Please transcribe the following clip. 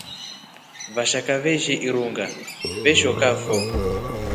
Vashaka veshi irunga veshokafo.